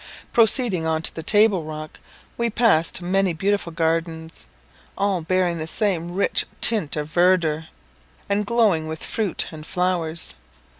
Proceeding on to the table rock, we passed many beautiful gardens, all bearing the same rich tint of verdure, and glowing with fruit and flowers.